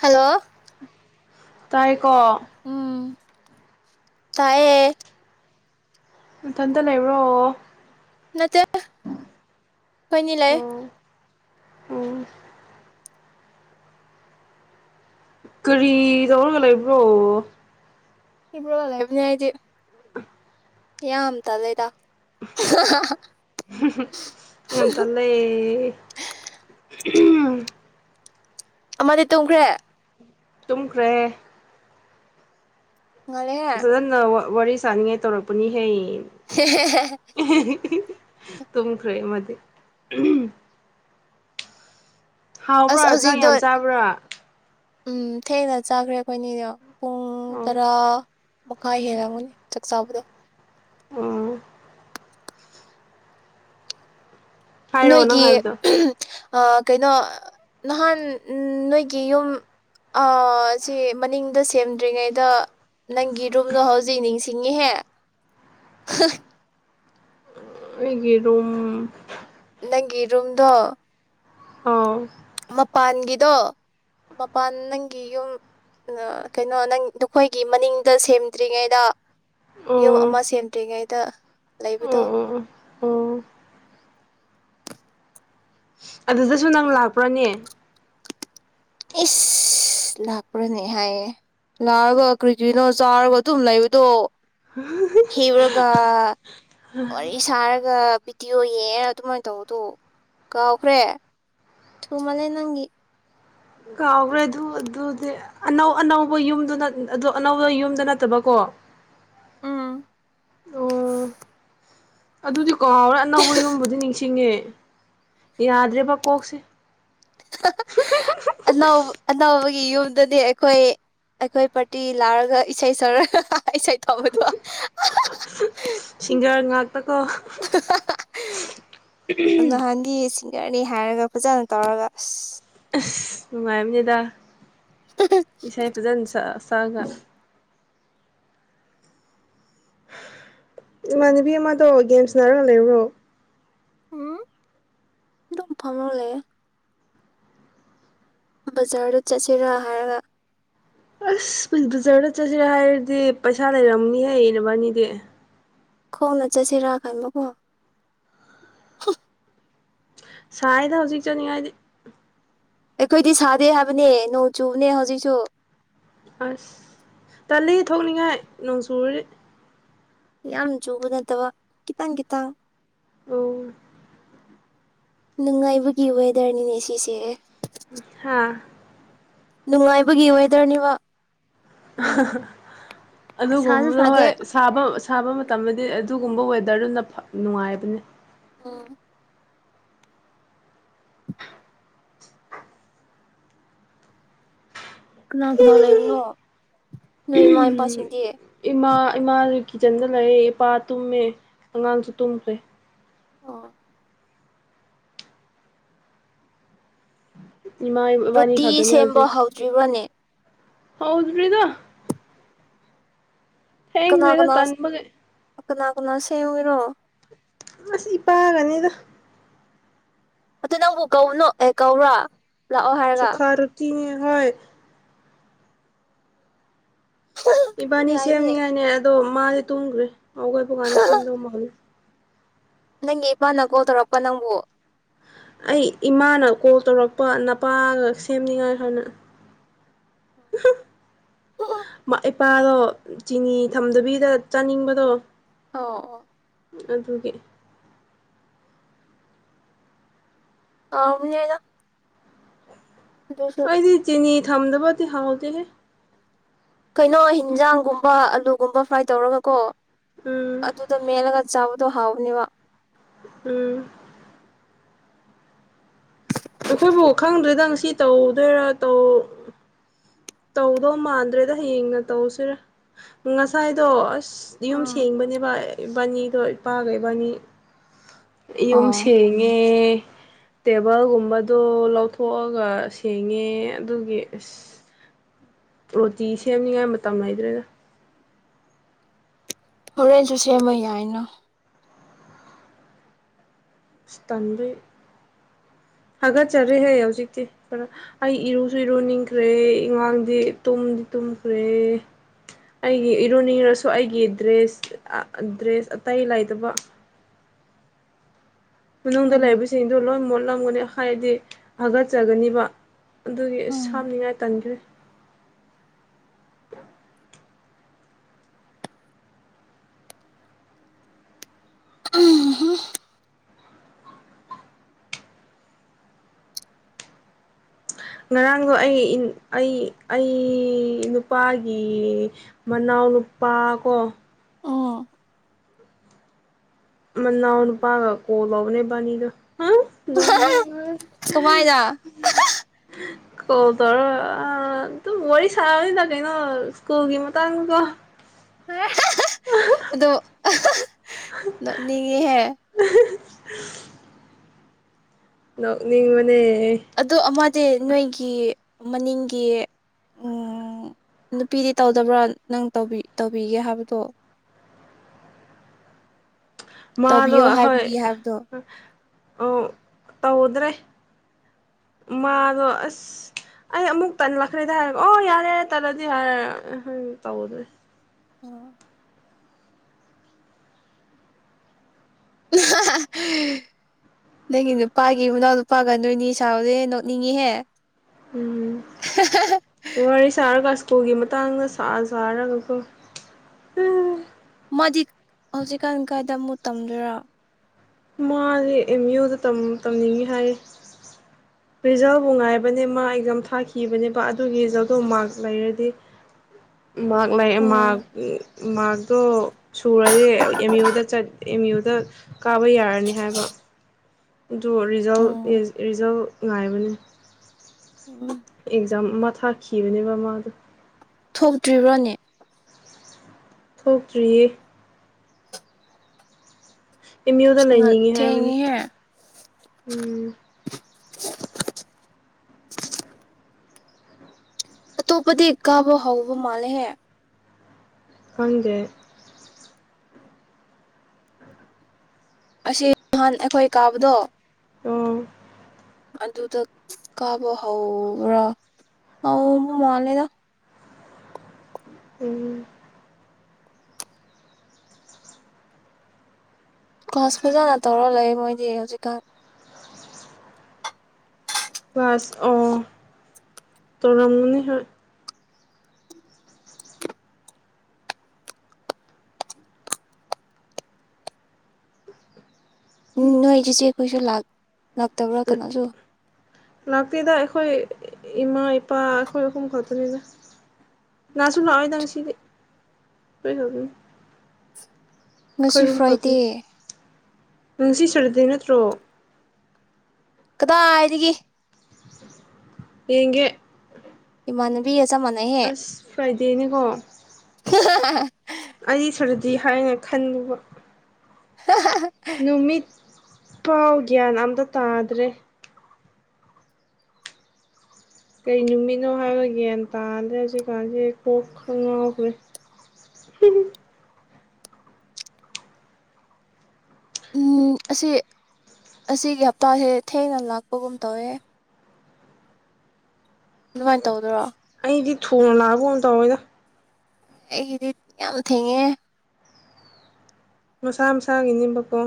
Hello ꯇꯥꯏ ꯀꯣ ꯎꯝ ꯇꯥꯏꯌꯦ ꯃꯊꯟꯇ ꯂꯩꯕ꯭ꯔꯣ ꯅꯠꯇꯦ ꯈꯣꯏꯅꯤ ꯂꯩ꯫ ꯑꯣ ꯎꯝ ꯀꯔꯤ ꯇꯧꯔꯒ ꯂꯩꯕ꯭ꯔꯣ? ꯍꯤꯞꯔꯒ ꯂꯩꯕꯅꯦ ꯑꯩꯗꯤ꯫ [unintelligible] ꯌꯥꯝ ꯇꯂꯦꯗ ꯍꯥꯍꯥꯍꯥ꯫ ꯍꯨꯝꯍꯨꯝ ꯌꯥꯝ ꯇꯂꯦ꯫ ꯎꯝ ꯑꯃꯗꯤ ꯇꯨꯝꯈ꯭ꯔꯦ? ꯇꯨꯝꯈ꯭ꯔꯦ꯫ ꯉꯜꯂꯦꯍꯦ [unintelligible] ꯋꯥꯔꯤ ꯁꯥꯅꯤꯡꯉꯥꯏ ꯇꯧꯔꯛꯄꯅꯤꯍꯦ꯫ ꯍꯦꯍꯦꯍꯦꯍꯦ ꯇꯨꯝꯈ꯭ꯔꯦ ꯑꯃꯗꯤ ꯎꯍꯨꯝ꯫ ꯑꯁ ꯍꯥꯎꯕ꯭ꯔꯥ ꯆꯥꯛ ꯍꯧꯖꯤꯛꯇꯣ ꯌꯥꯝ ꯆꯥꯕ꯭ꯔꯥ? ꯎꯝ ꯊꯦꯡꯅ ꯆꯥꯈ꯭ꯔꯦ ꯑꯩꯈꯣꯏꯅꯤꯗꯣ꯫ ꯄꯨꯡ ꯑꯣ ꯇꯔꯥ ꯃꯈꯥꯏ ꯍꯦꯜꯂꯝꯒꯅꯤ ꯆꯥꯛ ꯆꯥꯕꯗꯣ꯫ ꯎꯝ ꯍꯥꯏꯔꯣ ꯅꯪ ꯅꯣꯏꯒꯤ ꯍꯥꯏꯕꯗꯣ ꯑ ꯀꯩꯅꯣ ꯅꯍꯥꯟ ꯎꯝ ꯅꯣꯏꯒꯤ ꯌꯨꯝ ꯑ ꯁꯤ ꯃꯅꯤꯡꯗ ꯁꯦꯝꯗ꯭ꯔꯤꯉꯩꯗ ꯅꯪꯒꯤ ꯔꯨꯝꯂꯣ ꯍꯧꯖꯤꯛ ꯅꯤꯡꯁꯤꯡ ꯁꯤꯡꯉꯦꯍꯦ ꯍꯥ ꯑꯩꯒꯤ ꯔꯨꯝ ꯅꯪꯒꯤ ꯔꯨꯝꯗꯣ ꯑ ꯃꯄꯥꯟꯒꯤꯗꯣ ꯃꯄꯥꯟ ꯅꯪꯒꯤ ꯌꯨꯝ ꯑ ꯀꯩꯅꯣ ꯅꯪ ꯅꯈꯣꯏꯒꯤ ꯃꯅꯤꯡꯗ ꯁꯦꯝꯗ꯭ꯔꯤꯉꯩꯗ ꯌꯨꯝ ꯑꯣ ꯑꯃꯥ ꯁꯦꯝꯗꯔꯤꯉꯩ ꯇ ꯑꯣ ꯂꯩꯕꯗꯣ? ꯑꯣ ꯑꯣ ꯑꯣ ꯑꯗꯨꯗꯁꯨ ꯅꯪ ꯂꯥꯛꯄ꯭ꯔꯅꯦ? ꯏꯁ ꯂꯥꯛꯄ꯭ꯔꯅꯦ ꯍꯥꯏꯌꯦ ꯂꯥꯛꯑꯒ ꯀ꯭ꯔꯤ ꯀ꯭ꯔꯤꯅꯣ ꯆꯥꯔꯒ ꯑꯗꯨꯝ ꯂꯩꯕꯗꯣ ꯍꯤꯞꯔꯒ ꯋꯥꯔꯤ ꯁꯥꯔꯒ ꯚꯤꯗꯤꯑꯣ ꯌꯦꯡꯑ ꯑꯗꯨꯃꯥꯏꯅ ꯇꯧꯕꯗꯣ ꯀꯥꯎꯈ꯭ꯔꯦ ꯊꯨꯃꯜꯂꯦ ꯅꯪꯒꯤ ꯀꯥꯎꯈ꯭ꯔꯦ ꯑꯗꯨ ꯑꯗꯨꯗꯤ ꯑꯅꯧ ꯑꯅꯧꯕ ꯌꯨꯝꯗꯨꯅ ꯑꯗꯨ ꯑꯅꯧꯕ ꯌꯨꯝꯗ ꯅꯠꯇꯕꯀꯣ? ꯎꯝ ꯑꯣ ꯑꯗꯨꯗꯤ ꯀꯥꯎꯔꯦ ꯑꯅꯧꯕ ꯌꯨꯝꯕꯨꯗꯤ ꯅꯤꯡꯁꯤꯡꯉꯦ꯫ ꯌꯥꯗ꯭ꯔꯦꯕ ꯀꯣꯛꯁꯦ꯫ ꯑꯅꯧꯕ ꯑꯅꯧꯕꯒ ꯌꯨꯝꯗꯗꯤ ꯑꯩꯈꯣꯏ ꯑꯩꯈꯣꯏ ꯄꯥꯔꯇꯤ ꯂꯥꯛꯔꯒ ꯏꯁꯩ ꯁꯛꯔꯒ ꯏꯁꯩ ꯇꯧꯕꯗꯣ ꯑꯍꯥꯍꯥ ꯇꯀꯣ ꯎꯍꯨꯝꯍꯨꯝ ꯑꯍꯝ ꯆꯥꯔꯅꯤ ꯍꯥꯏꯔꯒ ꯐꯖꯅ ꯇꯧꯔꯒ ꯑꯁ ꯅꯨꯡꯉꯥꯏꯔꯝꯅꯦꯗ ꯏꯁꯩ ꯐꯖꯅ ꯁꯛꯑ ꯁꯛꯑꯒ ꯏꯃꯥꯟꯅꯕꯤ ꯑꯃꯗꯣ ꯒꯦꯝ ꯁꯟꯅꯥꯔꯒ ꯂꯩꯕꯔꯣ? ꯎꯝ ꯑꯗꯨꯝ ꯐꯃ ꯂꯩꯌꯦ꯫ ꯕꯖꯥꯔꯗ ꯆꯠꯁꯤꯔꯥ ꯍꯥꯏꯔꯒ ꯑꯁ ꯕꯖꯥꯔꯗ ꯆꯁꯤꯔꯦ ꯍꯥꯏꯔꯗꯤ ꯄꯩꯁꯥ ꯂꯩꯔꯝꯅꯤꯍꯦ ꯅꯕꯥꯅꯤꯗꯤ꯫ ꯈꯣꯡꯅ ꯆꯠꯁꯤꯔ ꯈꯟꯕꯀꯣ꯫ [unintelligible] ꯁꯥꯏꯌꯦꯗ ꯍꯧꯖꯤꯛ ꯆꯠꯅꯤꯡꯉꯗꯤ ꯑꯩꯈꯣꯏꯗꯤ ꯁꯥꯗꯦ ꯍꯥꯏꯕꯅꯦ ꯅꯣꯡ ꯆꯨꯕꯅꯦ ꯍꯧꯖꯤꯛꯁꯨ꯫ ꯑꯁ ꯇꯜꯂꯤ ꯊꯣꯛꯅꯤꯡꯉꯥꯏ ꯅꯣꯡ ꯆꯨꯔꯗꯤ ꯌꯥꯝ ꯆꯨꯕ ꯅꯠꯇꯕ ꯈꯤꯇꯪ ꯈꯤꯇꯪ ꯎꯝ ꯅꯨꯡꯉꯥꯏꯕꯒꯤ ꯋꯦꯗꯔꯅꯤꯅꯦ ꯁꯤꯁꯦ꯫ ꯍꯥꯥ ꯅꯨꯡꯉꯥꯏꯕꯒꯤ ꯋꯦꯗꯔꯅꯤꯕ꯫ [unintelligible] ꯁꯥꯁꯨ ꯑꯗꯨꯒꯨꯝꯕꯗꯣ ꯁꯥꯗꯦ ꯍꯣꯏ ꯁꯥꯕ ꯁꯥꯕ ꯃꯇꯝꯗꯗꯤ ꯑꯗꯨꯒꯨꯝꯕ ꯋꯦꯗꯔꯗꯨꯅ ꯐ ꯅꯨꯡꯉꯥꯏꯕꯅꯤ꯫ ꯎꯝ ꯀꯅꯥ ꯀꯅꯥ ꯂꯩꯕꯅꯣ ꯅꯣꯏ ꯏꯃꯥ ꯏꯄꯥꯁꯤꯡ ꯏꯃꯥ ꯏꯃꯥꯁꯨ ꯀꯤꯠꯆꯟꯗ ꯂꯩꯌꯦ ꯏꯄꯥ ꯇꯨꯝꯃꯦ ꯑꯉꯥꯡꯁꯨ ꯇꯨꯝꯈ꯭ꯔꯦ꯫ ꯑꯣ ꯏꯃꯥ ꯏꯕꯥꯅꯤ ꯔꯨꯇꯤ ꯁꯦꯝꯕ ꯍꯧꯗ꯭ꯔꯤꯕꯣꯅꯦ? ꯍꯧꯗꯔꯤꯗ ꯀꯅꯥ ꯊꯦꯡꯒꯔꯦꯗ ꯀꯅꯥ ꯇꯟꯕꯒꯤ ꯀꯅꯥ ꯀꯅꯥ ꯁꯦꯝꯒꯦꯔꯣ? ꯑꯁ ꯏꯄꯥꯒꯅꯤꯗ꯫ ꯑꯗꯨ ꯅꯪꯕꯨ ꯀꯧꯒꯅꯣ ꯑꯦ ꯀꯧꯔ? ꯁꯨꯈꯥ ꯔꯨꯇꯤꯅꯦ ꯍꯣꯏ ꯏꯕꯥꯅꯤ ꯌꯥꯏꯅꯦ ꯁꯦꯝꯅꯤꯡꯉꯥꯏꯅꯦ ꯑꯗꯣ ꯃꯥꯗꯤ ꯇꯨꯝꯒ꯭ꯔꯦ꯫ ꯍꯧꯒꯠꯄꯀꯥꯟꯗ ꯁꯦꯝꯗꯧ ꯃꯥꯜꯂꯦ꯫ ꯅꯪꯒꯤ ꯏꯄꯥꯅ ꯀꯣꯜ ꯇꯧꯔꯛꯄ ꯅꯪꯕꯨ? ꯑꯩ ꯏꯃꯥꯅ ꯀꯣꯜ ꯇꯧꯔꯛꯄ ꯅꯄꯥꯒ ꯁꯦꯝꯅꯤꯉꯥꯏ ꯍꯥꯏꯅ ꯎꯍꯨꯝ ꯑꯣ ꯏꯄꯥꯗꯣ ꯆꯤꯅꯤ ꯊꯝꯗꯕꯤꯗ ꯆꯥꯅꯤꯡꯕꯗꯣ ꯑꯣ ꯑꯣ ꯑꯗꯨꯒꯤ ꯍꯥꯎꯕꯅꯦꯗ ꯑꯗꯨꯁꯨ ꯑꯩꯗꯤ ꯆꯤ ꯅꯤ ꯊꯝꯗꯕꯗꯤ ꯍꯥꯎꯗꯦꯍꯦ꯫ ꯀꯩꯅꯣ ꯍꯤꯟꯖꯥꯡꯒꯨꯝꯕ ꯑꯂꯨꯒꯨꯝꯕ ꯐ꯭ꯔꯥꯏ ꯇꯧꯔꯒ ꯀꯣ ꯎꯝ ꯑꯗꯨꯗ ꯃꯦꯠꯂꯒ ꯆꯥꯎ ꯑꯗꯣ ꯍꯥꯎꯕꯅꯦꯕ ꯎꯝ ꯑꯩꯈꯣꯏꯕꯨ ꯈꯪꯗ꯭ꯔꯦꯗ ꯉꯁꯤ ꯇꯧꯗꯣꯏꯔꯥ ꯇꯧ ꯇꯧꯗꯧ ꯃꯥꯟꯗ꯭ꯔꯦꯗ ꯍꯌꯦꯡꯅ ꯇꯧꯁꯤꯔ ꯉꯁꯥꯏꯗꯣ ꯑꯁ ꯌꯨꯝ ꯁꯦꯡꯕꯅꯦꯕ ꯏꯕꯥꯅꯤ ꯑꯗꯣ ꯏꯄꯥꯒ ꯏꯕꯥꯅꯤ ꯌꯨꯝ ꯑꯣ ꯁꯦꯡꯉꯦ ꯇꯦꯕꯜꯒꯨꯝꯕꯗꯣ ꯂꯧꯊꯣꯛꯑꯒ ꯁꯦꯡꯉꯦ ꯑꯗꯨꯒꯤ ꯏꯁ ꯔꯣꯇꯤ ꯁꯦꯝꯅꯤꯉꯥꯏ ꯃꯇꯝ ꯂꯩꯗ꯭ꯔꯦꯗ꯫ ꯍꯣꯔꯦꯟꯦꯟꯁꯨ ꯁꯦꯝꯕ ꯌꯥꯏꯅ꯫ ꯇꯟꯗꯨꯏ ꯍꯥꯒꯠꯆꯔꯤꯍꯦ ꯍꯧꯖꯤꯛꯇꯤ ꯈꯔ ꯑꯩ ꯏꯔꯨꯁꯨ ꯏꯔꯨꯅꯤꯡꯈ꯭ꯔꯦ ꯏꯉꯥꯡꯗꯤ ꯇꯨꯝꯗꯤ ꯇꯨꯝꯈ꯭ꯔꯦ ꯑꯩꯒꯤ ꯏꯔꯨꯅꯤꯡꯔꯁꯨ ꯑꯩꯒꯤ ꯗ꯭ꯌꯦ ꯑ ꯗ꯭ꯔꯦꯁ ꯑꯇꯩ ꯂꯩꯥꯏꯇꯕ ꯃꯅꯨꯡꯗ ꯎꯝ ꯂꯩꯕ ꯁꯤꯡꯗꯨ ꯂꯣꯏ ꯃꯣꯠ ꯂꯝꯒꯅꯤ ꯍꯥꯏꯗꯤ ꯍꯥꯒꯠꯆꯒꯅꯤꯕ ꯑꯗꯨꯒꯤ ꯎꯝ ꯑꯁ ꯍꯥꯝꯅꯤꯡꯉꯥꯏ ꯇꯟꯈ꯭ꯔꯦ꯫ ꯑ ꯎꯝꯍꯨꯝ ꯉꯔꯥꯡꯗꯣ ꯑꯩ ꯑꯩ ꯑꯩ ꯅꯨꯄꯥꯒꯤ ꯃꯅꯥꯎ ꯅꯨꯄꯥ ꯀꯣ ꯎꯝ ꯃꯅꯥꯎꯅꯨꯄꯥꯒ ꯀꯣꯜ ꯂꯧꯕꯅꯦ ꯏꯕꯥꯅꯤꯗꯨ꯫ ꯍꯥ ꯅꯣꯛꯅꯤꯡꯉꯦ ꯀꯃꯥꯏꯅ ꯀꯣꯜ ꯇꯧꯔꯒ ꯑꯥ ꯑꯗꯨꯝ ꯋꯥꯔꯤ ꯁꯥꯕꯅꯤꯗ ꯀꯩꯅꯣ ꯁ꯭ꯀꯨꯜꯒꯤ ꯃꯇꯥꯡꯀꯣ ꯑꯦ ꯍꯥꯍꯥ ꯑꯗꯣ ꯑꯍꯥꯍꯥ ꯅꯣꯛꯅꯤꯡꯉꯤꯍꯦ [unintelligible] [unintelligible] ꯑꯦ ꯑꯗꯨꯗꯤ ꯅꯣꯏꯒꯤ ꯃꯅꯤꯡꯒꯤ ꯎꯝ ꯅꯨꯄꯤꯗꯤ ꯇꯧꯗꯕ꯭ꯔꯥ ꯅꯪ ꯇꯧꯕꯤ ꯇꯧꯕꯤꯒꯦ ꯍꯥꯏꯕꯗꯣ ꯃꯥꯗꯣ ꯇꯧꯕꯤꯌꯣ ꯍꯣꯏ ꯍꯥꯏꯕꯒꯤ ꯍꯥꯏꯕꯗꯣ ꯑꯣ ꯇꯧꯗ꯭ꯔꯦ꯫ ꯑꯣ ꯃꯥꯗꯣ ꯑꯁ ꯑꯩ ꯑꯃꯨꯛ ꯇꯂꯛꯈ꯭ꯔꯦꯗ ꯍꯥꯏꯔꯦ ꯑꯣ ꯌꯥꯔꯦ ꯌꯥꯔꯦ ꯇꯜꯂꯗꯤ ꯍꯥꯏꯔ ꯇꯧꯗ꯭ꯔꯦ꯫ ꯑꯣ ꯑꯍꯥꯍꯥ ꯅꯪꯒꯤ ꯅꯨꯄꯥꯒꯤ ꯃꯅꯥꯎ ꯅꯨꯄꯥꯒ ꯅꯣꯏꯅꯤ ꯁꯥꯕꯗꯤ ꯅꯣꯛꯅꯤꯡꯉꯤꯍꯦ꯫ ꯎꯝ ꯋꯥꯔꯤ ꯁꯥꯔꯒ ꯑꯁ ꯎꯄꯨꯒꯤ ꯃꯇꯥꯡꯗ ꯁꯥ ꯁꯥꯔꯒꯀꯣ ꯎ ꯃꯥꯗꯤ ꯍꯧꯖꯤꯛꯀꯥꯟ ꯀꯥꯏꯗ ꯑꯃꯨꯛ ꯇꯝꯗꯣꯏꯔꯥ? ꯃꯥꯁ ꯑꯦꯝ ꯌꯨꯗ ꯇꯝꯅꯤꯡꯉꯤ ꯍꯥꯏ ꯔꯤꯖꯜꯕꯨ ꯉꯥꯏꯕꯅꯦ ꯃꯥ ꯑꯦꯛꯖꯥꯝ ꯊꯥꯈꯤꯕꯅꯦꯕ ꯑꯗꯨꯒꯤ ꯔꯤꯖꯜꯠꯇꯣ ꯃꯥꯔꯛ ꯂꯩꯔꯗꯤ ꯃꯍꯥꯛ ꯂꯩ ꯃꯥ ꯑꯣ ꯃꯥꯔꯛꯇꯣ ꯁꯨꯔꯗꯤ ꯑꯦꯝ ꯌꯨꯗ ꯆꯠ ꯑꯦꯝ ꯌꯨꯗ ꯀꯥꯕ ꯌꯥꯔꯅꯤ ꯍꯥꯏꯕ ꯑꯗꯨꯣ ꯔꯤꯖꯜ ꯑꯣ ꯔꯤꯖꯜ ꯉꯥꯏꯕꯅꯤ ꯎꯝ ꯑꯦꯛꯖꯝ ꯊꯥꯈꯤꯕꯅꯦꯕꯃꯥꯗꯣ ꯊꯣꯛꯇ꯭ꯔꯤꯕ꯭ꯔꯣꯅꯦ ꯊꯣꯛꯇ꯭ꯔꯤꯌꯦ ꯏꯃꯤ ꯑꯣ ꯑꯁ ꯉꯟ ꯂꯩꯅꯤ ꯍꯥꯏꯕꯅꯤ ꯊꯦꯡꯉꯤꯍꯦ ꯎꯝ ꯑꯇꯣꯞꯄꯗꯤ ꯀꯥꯕ ꯍꯧꯕ ꯃꯥꯜꯂꯦꯍꯦ ꯐꯒꯦ ꯑꯁꯤ ꯅꯍꯥꯟ ꯑꯩꯈꯣꯏ ꯀꯥꯕꯗꯣ ꯎ ꯑꯗꯨꯗ ꯀꯥꯕ ꯍꯧꯕ꯭ꯔꯥ ꯑ ꯃ ꯃꯥꯜꯂꯦꯗ ꯎꯝ ꯀ꯭ꯂꯥꯁ ꯐꯖꯥꯅ ꯇꯧꯔ ꯂꯩ ꯃꯣꯏꯗꯤ ꯍꯧꯖꯤꯛꯀꯥꯟ ꯋꯥꯁ ꯑꯣ ꯇꯔꯝꯅꯤ ꯍ ꯎꯝ ꯅꯣꯏꯒꯤꯁꯤ ꯀꯁꯨ ꯂꯥꯛ ꯂꯥꯛꯇꯕ꯭ꯔꯥ ꯀꯅꯥꯁꯨ ꯂꯥꯛꯇꯗ ꯑꯩꯈꯣꯏ ꯏꯃꯥ ꯏꯄꯥ ꯑꯩꯈꯣꯏ ꯑꯈꯨꯝ ꯈꯠꯇꯅꯤꯗ ꯅꯥꯁꯨ ꯂꯥꯛꯑꯣꯏꯗꯪ ꯁꯤꯗꯤ ꯀꯣꯏ ꯈꯅꯤ ꯉꯁꯤ ꯐ꯭ꯔꯣꯏꯇꯦ ꯅꯨꯡꯁꯤ ꯁꯔꯗꯤ ꯅꯠꯇ꯭ꯔꯣ ꯀꯗꯥꯏ ꯍꯥꯏꯔꯤꯒꯦ ꯌꯦꯒꯦ ꯏꯃꯅꯕꯤ ꯆ ꯃꯅꯦꯍꯦ ꯐ꯭ꯔꯥꯏꯗꯦꯅꯦꯀꯣ ꯑ ꯑꯅꯤ ꯁꯨꯔꯗꯤ ꯍꯥꯏꯅ ꯈꯟꯂꯨꯕ ꯅꯨꯃꯤꯠ ꯄꯥꯎ ꯒ꯭ꯌꯥꯟ ꯑꯝꯇ ꯇꯥꯗ꯭ꯔꯦ ꯀꯩ ꯅꯨꯃꯤꯠꯅꯣ ꯍꯥꯏꯕ ꯒ꯭ꯌꯥꯟ ꯇꯥꯗ꯭ꯔꯦ ꯍꯧꯖꯤꯛ ꯀꯥꯟꯁꯦ ꯀꯣꯛ ꯈ ꯉꯥꯎꯈ꯭ꯔꯦ ꯎꯝ ꯑꯁꯤ ꯑꯁꯤꯒꯤ ꯍꯞꯇꯥꯁꯦ ꯊꯦꯡꯅ ꯂꯥꯛꯄꯒꯨꯝ ꯇꯧꯋꯦ ꯑꯗꯨꯃꯥꯏꯅ ꯇꯧꯗꯣꯏꯔꯣ ꯗꯤ ꯊꯨꯅ ꯂꯥꯒ ꯍꯗ ꯑꯣꯗ ꯑꯩ ꯔ ꯌꯥꯝꯝ ꯊꯦ ꯃꯁꯥ ꯃꯁꯥꯒꯤꯅꯤꯕꯀꯣ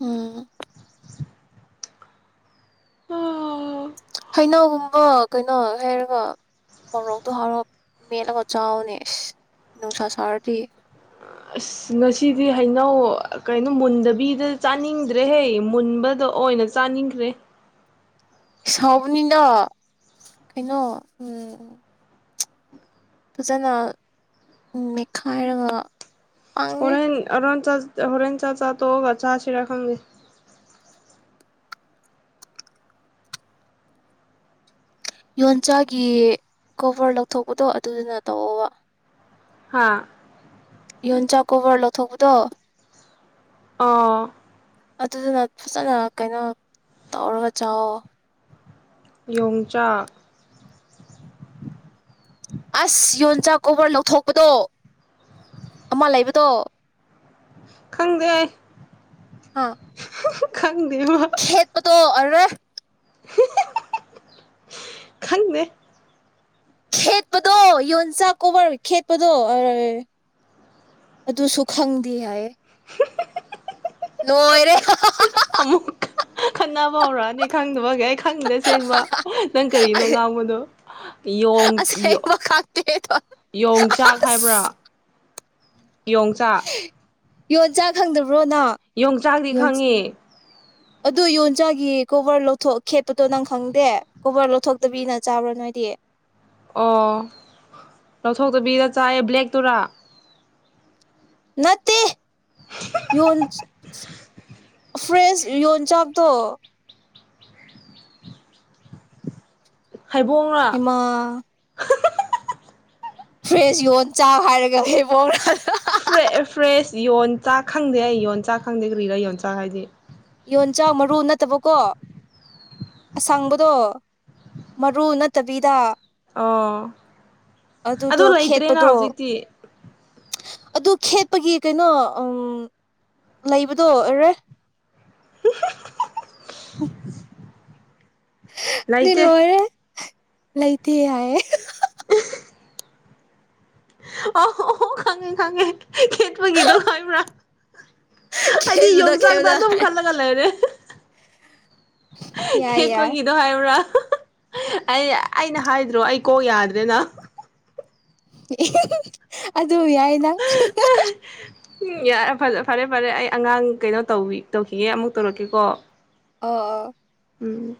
ꯎꯝ ꯎ ꯀꯩꯅꯧꯒꯨꯝꯕ ꯀꯩꯅꯣ ꯍꯥꯏꯔꯒ ꯃꯣꯔꯣꯛꯇꯣ ꯍꯔꯥꯎꯞ ꯃꯦꯠꯂꯒ ꯆꯥꯎꯅꯦ ꯑꯁ ꯅꯨꯡꯁꯥ ꯁꯥꯔꯗꯤ ꯑꯁ ꯉꯁꯤꯗꯤ ꯍꯩꯅꯧ ꯀꯩꯅꯣ ꯃꯨꯟꯗꯕꯤꯗ ꯆꯥꯅꯤꯡꯗ꯭ꯔꯦꯍꯦ ꯃꯨꯟꯕꯗ ꯑꯣꯏꯅ ꯆꯥꯅꯤꯡꯈ꯭ꯔꯦ ꯁꯥꯎꯕꯅꯤꯅꯣ ꯀꯩꯅꯣ ꯎꯝ ꯐꯖꯅ ꯅꯦꯠꯈꯥꯏꯔꯒ ꯄꯔꯍꯦꯟ ꯑꯔꯨꯅꯥꯆꯜ ꯍꯣꯔꯦꯟ ꯆ ꯆꯥ ꯇꯒ ꯆꯥ ꯁꯤꯔꯀꯪꯒꯦ ꯌꯣꯟꯆꯥꯛꯒꯤ ꯀꯣꯕꯔ ꯂꯧꯊꯣꯛꯄꯗꯣ ꯑꯗꯨꯗꯨꯅ ꯇꯧꯑꯣꯕ ꯍꯥꯥ ꯌꯣꯟꯆꯥꯛꯀꯣꯕꯔ ꯂꯧꯊꯣꯛꯄꯗꯣ ꯑ ꯑꯗꯨꯗꯨꯅ ꯐꯖꯅ ꯀꯩꯅꯣ ꯇꯧꯔꯒ ꯆꯥꯛꯑꯣꯣ ꯌꯣꯡꯆꯥꯛ ꯑꯁ ꯌꯣꯟꯆꯥꯛ ꯀꯧꯕꯕꯔ ꯂꯧꯊꯣꯛꯄꯗꯣ ꯑꯃ ꯂꯩꯕꯗꯣ ꯈꯪꯗꯦ ꯑ ꯈꯪꯗꯦꯕ ꯈꯦꯠꯠꯇꯣ [inaudible] [unintelligible] ꯈꯪꯃꯦ ꯈꯦꯠꯄꯗꯣ ꯌꯣꯟꯆꯥꯛ ꯀꯧꯕꯣꯕꯔ ꯈꯦꯠꯄꯗꯣ ꯑꯗꯨꯁꯨ ꯈꯪꯗꯦ ꯍꯥꯏꯌꯦ ꯂꯣꯏꯔꯦ ꯑꯃꯨꯛ ꯈꯠꯅꯕ ꯍꯧꯔꯛꯑꯅꯤ ꯈꯪꯗꯕꯒꯦ ꯑꯩ ꯈꯪꯗ ꯁꯦꯡꯕ ꯅꯪ ꯀꯔꯤꯅꯣ ꯉꯥꯡꯕꯗꯣꯣꯡ ꯑꯁꯦꯡꯕ ꯈꯪꯗꯦꯗꯣ ꯌꯣꯡꯆꯥꯛ ꯍꯥꯏꯕ꯭ꯔꯥ ꯑꯁ ꯌꯣꯡꯆꯥꯛ ꯌꯣꯟꯖꯆꯥ ꯈꯪꯗꯕ꯭ꯔ ꯌꯣꯡꯆꯥꯛꯗꯤ ꯈꯪꯉꯤ ꯑꯗꯨ ꯌꯣꯟꯆꯥꯛꯒꯤ ꯀꯣꯕꯔ ꯂꯧꯊꯣꯛ ꯈꯦꯠꯄꯗꯣ ꯅꯪ ꯈꯪꯗꯦ ꯀꯣꯕꯔ ꯂꯧꯊꯣꯛꯇꯕꯤꯅ ꯆꯥꯕ꯭ꯔꯣ ꯅꯣꯏꯗꯤ ꯑꯣ ꯂꯧꯊꯣꯛꯇꯕꯤꯗ ꯆꯥꯏꯑꯦ ꯕ꯭ꯂꯦꯛꯇꯔꯥ ꯅꯠꯇꯦ ꯌꯟ ꯐ꯭ꯔꯦꯁ ꯌꯣꯟ ꯆꯥꯛꯇꯣ ꯍꯩꯕꯣꯡꯔꯥ ꯍ ꯐ꯭ꯔꯦꯁ ꯌꯣꯟ ꯆꯥꯛ ꯍꯥꯏꯔꯒ ꯍꯩꯕꯣꯡ ꯐ꯭ꯔꯦ ꯐ꯭ꯔꯦꯁ ꯌꯣꯟꯆꯥꯛ ꯈꯪꯗꯦ ꯑꯩ ꯌꯣꯟꯆꯥꯛ ꯈꯪꯗꯦ ꯀꯔꯤꯔꯥ ꯌꯣꯟꯆꯥꯛ ꯍꯥꯏꯗꯤ ꯌꯣꯟꯆꯥꯛ ꯃꯔꯨ ꯅꯠꯇꯕꯀꯣ ꯑꯁꯥꯡꯕꯗꯣ ꯃꯔꯨ ꯅꯠꯇꯕꯤꯗ ꯑꯣ ꯑꯗꯨꯗꯣ ꯑꯗꯨ ꯂꯩꯇ꯭ꯔꯦꯅ ꯈꯦꯠꯄꯗꯣ ꯍꯧꯖꯤꯛꯇꯤ ꯑꯗꯨ ꯈꯦꯠꯄꯒꯤ ꯀꯩꯅꯣ ꯎ ꯂꯩꯕꯗꯣ ꯑꯣꯏꯔꯦ ꯎ ꯂꯩꯥꯏꯇ ꯂꯩꯇ ꯌꯥꯌꯦꯦ [unintelligible] ꯑꯣꯣ ꯈꯥꯉꯦ ꯈꯥꯉꯦ ꯈꯦꯠꯄꯒꯤꯗꯣ ꯈꯥꯏꯕ꯭ꯔꯥ ꯍꯥꯏꯗꯤ ꯈꯦꯠꯕꯗꯣ ꯌꯣꯡꯆꯥꯛꯗꯣ ꯈꯦꯠꯕꯗꯣ ꯑꯗꯨꯝ ꯈꯜꯂꯒ ꯂꯩꯔꯦ ꯌꯥꯏ ꯌꯥꯏ ꯈꯦꯠꯄꯒꯤꯗꯣ ꯍꯥꯏꯕ꯭ꯔꯥ ꯑꯩ ꯑꯩꯅ ꯍꯥꯏꯗ꯭ꯔꯣ ꯑꯩ ꯀꯣꯛ ꯌꯥꯗ꯭ꯔꯦꯅ [unintelligible] ꯑꯗꯨ ꯌꯥꯏ ꯅꯪ ꯎꯝ ꯌꯥ ꯐꯔꯦ ꯐꯔꯦ ꯑꯩ ꯑꯉꯥꯡ ꯀꯩꯅꯣ ꯇꯧ ꯇꯧꯈꯤꯒꯦ ꯑꯃꯨꯛ ꯇꯧꯔꯛꯀꯦꯀꯣ ꯑ ꯑ ꯎꯝ